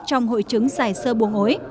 trong hội chứng giải sơ buồng ối